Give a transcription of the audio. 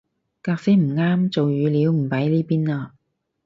格式唔啱做語料唔擺呢邊嘞